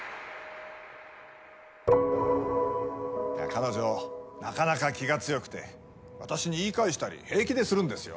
彼女なかなか気が強くて私に言い返したり平気でするんですよ。